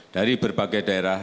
dari berbagai daerah